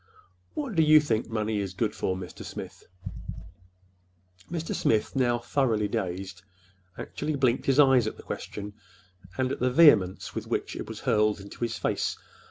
What do you think money is good for, Mr. Smith?" Mr. Smith, now thoroughly dazed, actually blinked his eyes at the question, and at the vehemence with which it was hurled into his face.